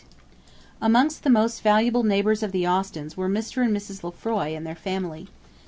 Amongst the most valuable neighbours of the Austens were Mr. and Mrs. Lefroy and their family.